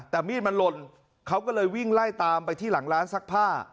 แต่มีดมันหล่นเขาก็เลยวิ่งไล่ตามไปที่หลังร้านซักผ้า